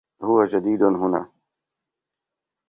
هو جديد هنا.